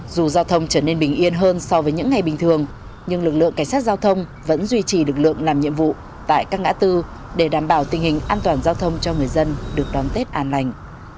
dù giao thông trở nên bình yên hơn so với những ngày bình thường nhưng lực lượng cảnh sát giao thông vẫn duy trì lực lượng làm nhiệm vụ tại các ngã tư để đảm bảo tình hình an toàn giao thông cho người dân được đón tết an lành